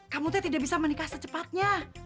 kamu tuh tidak bisa menikah secepatnya